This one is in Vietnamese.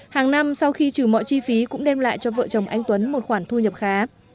hàng năm sau khi trừ mọi chi phí cũng đem lại cho vợ chồng anh tuấn một khoản thu nhập khá